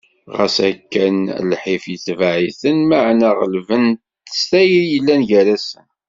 Ɣas akken lḥif, yetbeε-iten, meɛna γelben-t s tayri i yellan gar-asen.